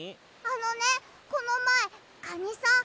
あのねこのまえカニさん